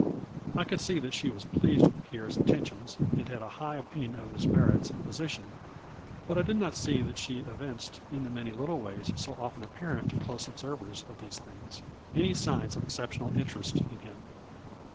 I could see that she was pleased with Pierre's attentions, and had a high opinion of his merits and position, but I did not see that she evinced, in the many little ways so often apparent to close observers of these things, any signs of exceptional interest in him.